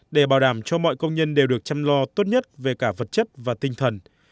để bảo đảm cho mọi công nhân đều được chăm lo tốt nhất về cả vật chất và tinh thần